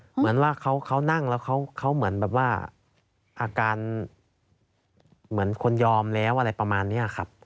เหมือนว่าเขานั่งแล้วเขาเหมือนแบบว่าอาการเหมือนคนยอมแล้วอะไรประมาณนี้ครับ